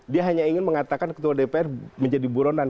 dia hanya ingin mengatakan ketua dpr menjadi buronan